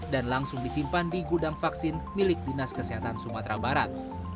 dan langsung disimpan di gudang vaksin milik dinas kesehatan sumatera barat